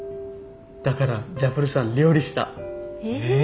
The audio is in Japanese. だからジャファルさん料理した。え？